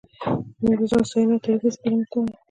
نو د ځان ستاینه او تعریف هېڅکله مه کوه.